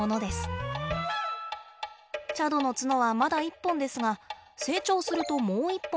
チャドの角はまだ一本ですが成長するともう一本。